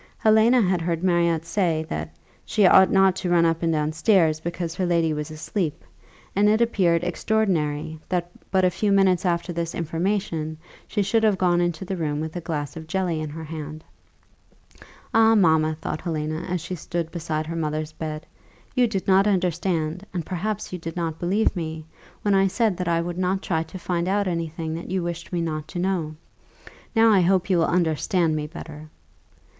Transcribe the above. Helena had heard Marriott say, that "she ought not to run up and down stairs, because her lady was asleep," and it appeared extraordinary that but a few minutes after this information she should have gone into the room with a glass of jelly in her hand. "Ah, mamma!" thought Helena, as she stood beside her mother's bed, "you did not understand, and perhaps you did not believe me, when I said that I would not try to find out any thing that you wished me not to know. Now I hope you will understand me better."